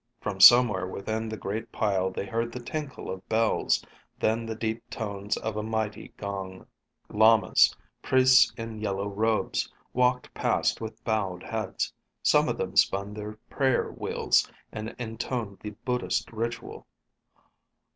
From somewhere within the great pile they heard the tinkle of bells, then the deep tones of a mighty gong. Lamas, priests in yellow robes, walked past with bowed heads. Some of them spun their prayer wheels and intoned the Buddhist ritual.